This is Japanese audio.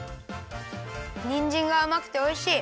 にんじんがあまくておいしい。